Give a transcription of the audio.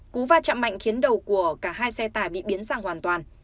cú va chạm mạnh khiến đầu của cả hai xe tải bị biến dạng hoàn toàn